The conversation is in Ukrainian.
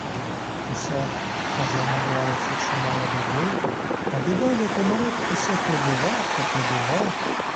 У сад уже набралося чимало людей, а дедалі, то народ усе прибував та прибував.